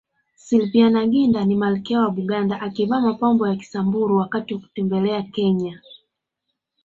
Sylvia Nagginda ni malkia wa Buganda akivaa mapambo ya Kisamburu wakati wa kutembelea Kenya